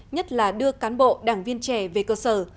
nhất là đưa cán bộ đảng viên trẻ về cơ sở